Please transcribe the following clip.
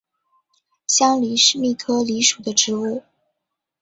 香藜是苋科藜属的植物。